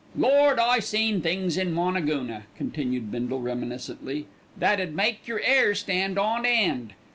"Lord, I seen things in Moonagoona," continued Bindle reminiscently, "that 'ud make yer 'air stand on end.